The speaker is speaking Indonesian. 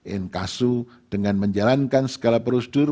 in casu dengan menjalankan segala prosedur